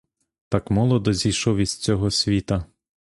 Так молодо зійшов із цього світа!